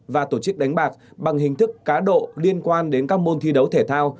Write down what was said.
và tổ chức đánh bạc bằng hình thức cá độ liên quan đến các môn thi đấu thể thao